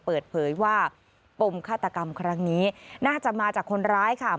เปิดเผยว่าปมฆาตกรรมครั้งนี้น่าจะมาจากคนร้ายค่ะ